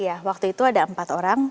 iya waktu itu ada empat orang